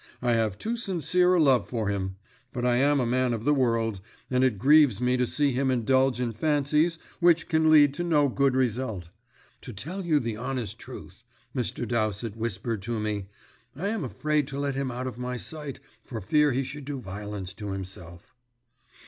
I have too sincere a love for him; but I am a man of the world, and it grieves me to see him indulge in fancies which can lead to no good result. To tell you the honest truth," Mr. Dowsett whispered to me, "I am afraid to let him out of my sight for fear he should do violence to himself."